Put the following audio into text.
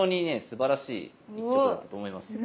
すばらしい一局だったと思いますよ。